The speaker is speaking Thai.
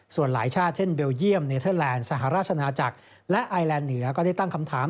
ส่วนหลายชาติเช่นเบลเยี่ยมเนเทอร์แลนด์สหราชนาจักรและไอแลนดเหนือก็ได้ตั้งคำถาม